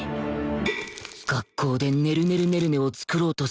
学校でねるねるねるねを作ろうとする女